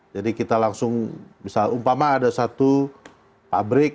jadi kita langsung bisa umpama ada satu pabrik